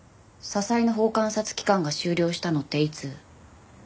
笹井の保護観察期間が終了したのっていつ？